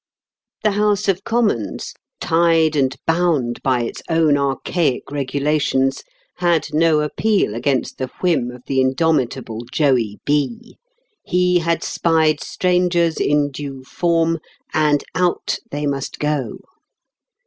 The House of Commons, tied and bound by its own archaic regulations, had no appeal against the whim of the indomitable Joey B. He had spied strangers in due form, and out they must go.